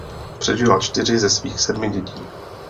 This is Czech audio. Přežila čtyři ze svých sedmi dětí.